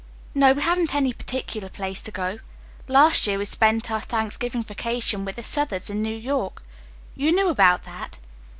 "No, we haven't any particular place to go. Last year we spent our Thanksgiving vacation with the Southards in New York. You knew about that."